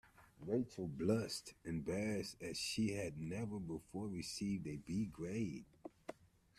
Rachel blushed, embarrassed, as she had never before received a B grade.